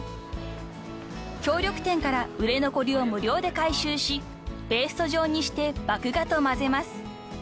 ［協力店から売れ残りを無料で回収しペースト状にして麦芽と混ぜます］